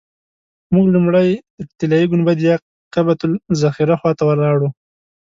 موږ لومړی د طلایي ګنبدې یا قبة الصخره خوا ته ولاړو.